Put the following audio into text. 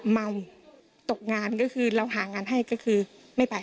เมาตกงานก็คือเราหางานให้ก็คือไม่ไป